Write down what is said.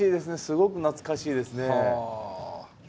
すごく懐かしいですね。